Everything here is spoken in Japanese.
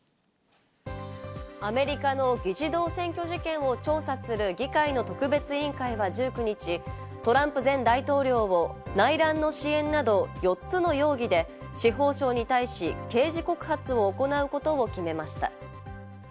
アメリカの議事堂占拠事件を調査する議会の特別委員会は１９日、トランプ前大統領を内乱の支援など４つの容疑で司法省に対し、刑事告発を行うことを決めました。